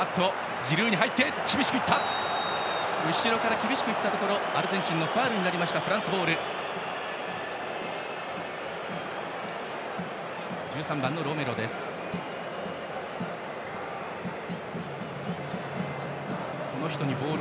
ジルーの後ろから厳しく行ったところアルゼンチンのファウルでフランスボール。